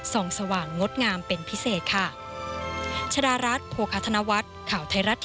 สว่างงดงามเป็นพิเศษค่ะ